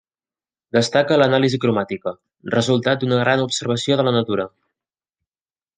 Destaca l’anàlisi cromàtica, resultat d’una gran observació de la natura.